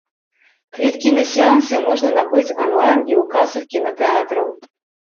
Квіткі на сеансы можна набыць анлайн і ў касах кінатэатраў.